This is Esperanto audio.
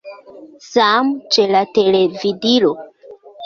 Same ĉe la televidilo.